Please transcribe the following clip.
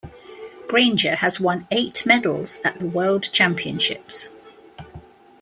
Grainger has won eight medals at the World Championships.